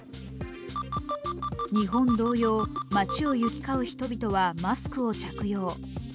日本同様、街を行き交う人々はマスクを着用。